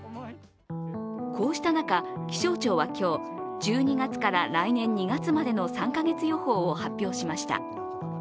こうした中、気象庁は今日、１２月から来年２月までの３か月予報を発表しました。